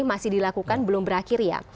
masih dilakukan belum berakhir ya